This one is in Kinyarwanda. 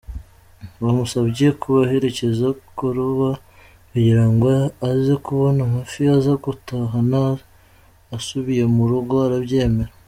Bamusabye kubaherekeza kuroba kugira ngo aze kubona amafi aza gutahana asubiye mu rugo, arabyemera.